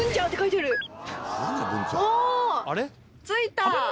お着いた！